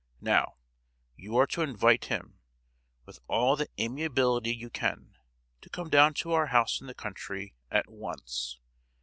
Now, you are to invite him, with all the amiability you can, to come down to our house in the country, at once!